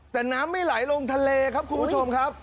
แต่น้ำไม่ไหลลงทะเลครับคุณผู้ชมครับ